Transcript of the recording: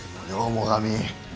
最上。